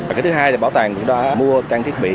và cái thứ hai là bảo tàng cũng đã mua trang thiết bị